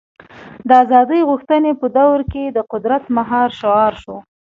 د ازادۍ غوښتنې په دور کې د قدرت مهار شعار شو.